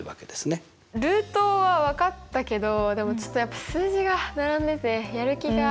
ルートは分かったけどちょっとやっぱ数字が並んでてやる気が。